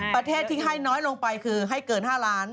ประเทศที่ให้น้อยลงไปคือให้เกิน๕ล้าน